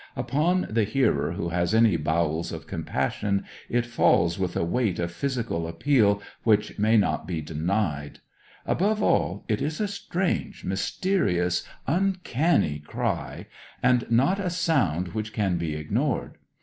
Upon the hearer who has any bowels of compassion it falls with a weight of physical appeal which may not be denied. Above all, it is a strange, mysterious, uncanny cry, and not a sound which can be ignored.